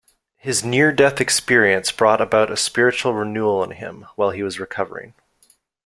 His near-death experience brought about a spiritual renewal in him while he was recovering.